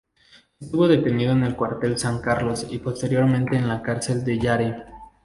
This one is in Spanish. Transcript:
Estuvo detenido en el Cuartel San Carlos y posteriormente en la Cárcel de Yare.